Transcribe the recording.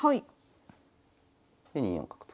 で２四角と。